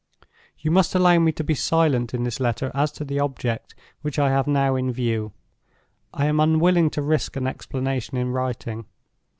"You must allow me to be silent in this letter as to the object which I have now in view. I am unwilling to risk an explanation in writing.